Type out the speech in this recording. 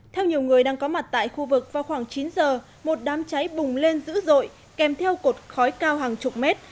theo nhiều người đang có mặt tại khu vực vào khoảng chín giờ một đám cháy bùng lên dữ dội kèm theo cột khói cao hàng chục mét